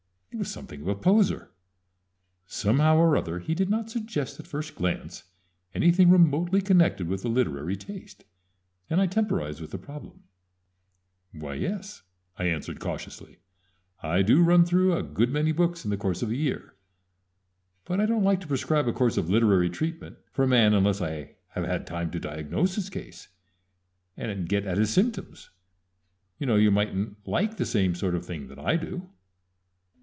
It was something of a poser. Somehow or other he did not suggest at first glance anything remotely connected with a literary taste, and I temporized with the problem. "Why, yes," I answered cautiously. "I do run through a good many books in the course of a year; but I don't like to prescribe a course of literary treatment for a man unless I have had time to diagnose his case, and get at his symptoms. You know you mightn't like the same sort of thing that I do."